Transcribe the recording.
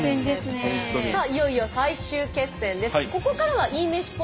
さあいよいよ最終決戦です。